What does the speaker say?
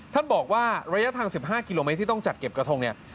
ท่านบอกว่าระยะทาง๑๕กิโลเมตรที่ต้องจัดเก็บกระทงเนี่ย